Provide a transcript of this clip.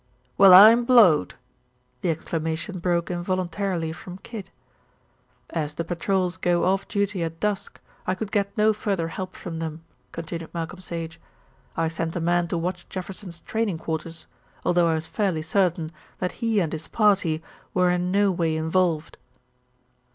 "Well, I'm blowed!" The exclamation broke involuntarily from Kid. "As the patrols go off duty at dusk, I could get no further help from them," continued Malcolm Sage. "I sent a man to watch Jefferson's training quarters, although I was fairly certain that he and his party were in no way involved."